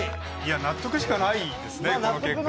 納得しかないですね、この結果。